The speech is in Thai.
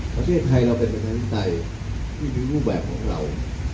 ประเทศไทยเราเป็นประชาธิปไตยที่มีรูปแบบของเรา